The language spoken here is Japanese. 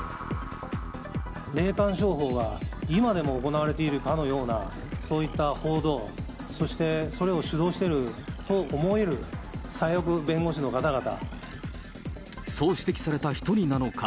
霊感商法が今でも行われているかのような、そういった報道、そしてそれを主導していると思える左翼弁護士の方々。